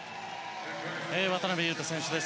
渡邊雄太選手です。